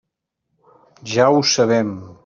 Ja ho sabem.